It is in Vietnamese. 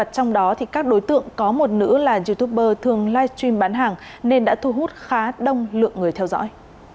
trong đó các đối tượng có một nữ là youtuber thường live stream bán hàng nên đã thu hút khá đông lượng người theo dõi